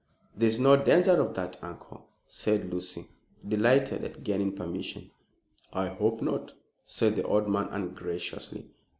"There is no danger of that, uncle," said Lucy, delighted at gaining permission. "I hope not," said the old man ungraciously.